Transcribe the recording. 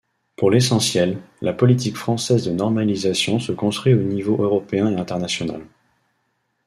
Pour l’essentiel, la politique française de normalisation se construit aux niveaux européen et international.